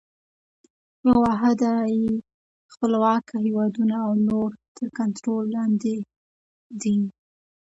یوه واحده یې خپلواکه هیوادونه او نور تر کنټرول لاندي دي.